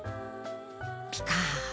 ピカーッ！